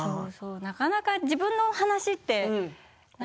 なかなか自分の話って。